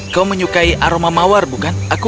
kau menyukai aroma mawar bukan aku